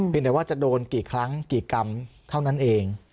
เป็นแต่ว่าจะโดนกี่ครั้งกี่กรรมเท่านั้นเอง